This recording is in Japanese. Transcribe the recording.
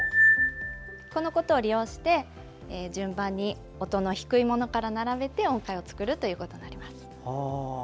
このことを利用して順番に音の低いものから並べて音階を作るということになります。